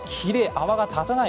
泡が立たない。